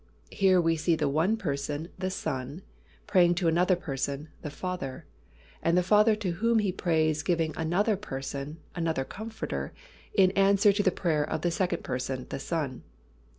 Here we see the one Person, the Son, praying to another Person, the Father, and the Father to whom He prays giving another Person, another Comforter, in answer to the prayer of the second Person, the Son.